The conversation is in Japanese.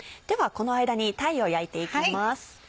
この間に鯛を焼いていきます。